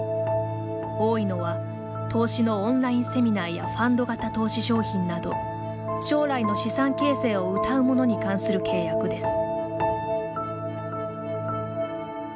多いのは投資のオンラインセミナーやファンド型投資商品など将来の資産形成をうたうものに関する契約です。